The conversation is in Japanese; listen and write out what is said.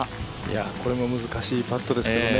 これも難しいパットですよね。